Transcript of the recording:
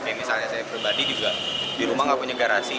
misalnya saya pribadi juga di rumah tidak punya garasi